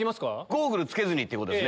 ゴーグル着けずに？